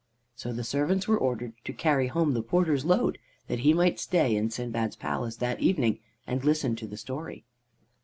So the servants were ordered to carry home the porter's load, that he might stay in Sindbad's palace that evening and listen to the story.